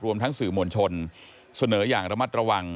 รวมทั้งสื่อมวลชนเสนออย่างระมัดระวัง